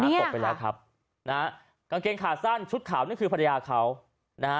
ตกไปแล้วครับนะฮะกางเกงขาสั้นชุดขาวนั่นคือภรรยาเขานะฮะ